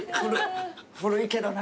古いけどな。